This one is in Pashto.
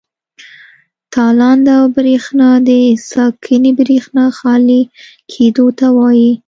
تالنده او برېښنا د ساکنې برېښنا خالي کېدو ته وایي.